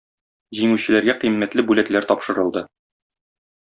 Җиңүчеләргә кыйммәтле бүләкләр тапшырылды.